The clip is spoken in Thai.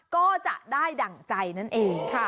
ก็จะได้ดั่งใจนั่นเอง